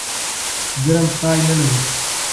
ظلم پای نه لري.